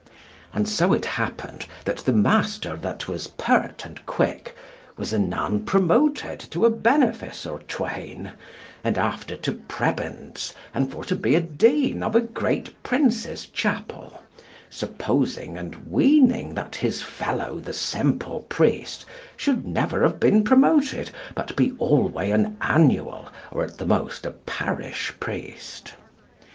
And so it happened that the master that was pert and quick, was anon promoted to a benefice or twain, and after to prebends and for to be a dean of a great prince's chapel, supposing and weening that his fellow the simple priest should never have been promoted, but be alway an Annual, or at the most a parish priest.